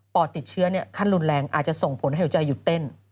อดติดเชื้อขั้นรุนแรงอาจจะส่งผลให้หัวใจหยุดเต้น